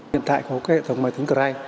hiện tại có cái hệ thống máy tính cray